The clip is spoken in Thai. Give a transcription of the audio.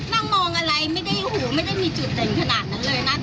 นั่งมองอะไรไม่ได้หูไม่ได้มีจุดเด่นขนาดนั้นเลยนะ